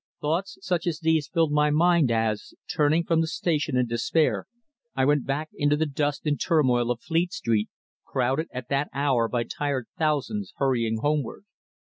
Thoughts such as these filled my mind as, turning from the station in despair, I went back into the dust and turmoil of Fleet Street, crowded at that hour by tired thousands hurrying homeward.